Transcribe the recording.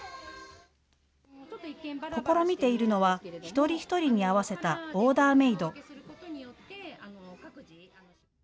試みているのは一人一人に合わせたオーダーメード。